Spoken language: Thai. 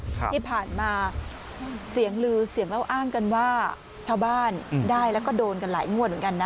ที่ผ่านมาเสียงลือเสียงเล่าอ้างกันว่าชาวบ้านได้แล้วก็โดนกันหลายงวดเหมือนกันนะ